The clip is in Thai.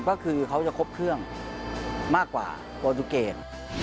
ก็คือเขาจะครบเครื่องมากกว่าโปรตูเกณฑ์